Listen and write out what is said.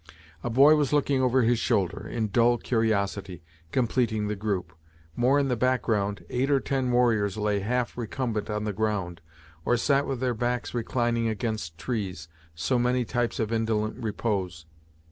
A boy was looking over his shoulder, in dull curiosity, completing the group. More in the background eight or ten warriors lay half recumbent on the ground, or sat with their backs reclining against trees, so many types of indolent repose.